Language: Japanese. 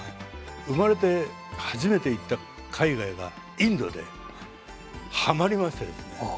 生まれて初めて行った海外がインドではまりましてですね。